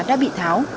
đã bị tháo